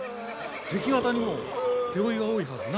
敵方にも手負いは多いはず。